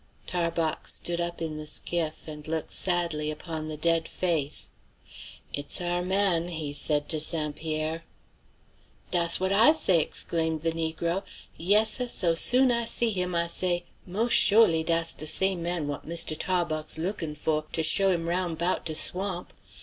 Tarbox stood up in the skiff and looked sadly upon the dead face. "It's our man," he said to St. Pierre. "Dass what I say!" exclaimed the negro. "Yes, seh, so soon I see him I say, mos' sholy dass de same man what Mistoo Tah bawx lookin' faw to show him 'roun' 'bout de swamp!